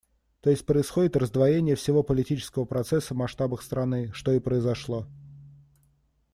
То есть происходит раздвоение всего политического процесса в масштабах страны, что и произошло.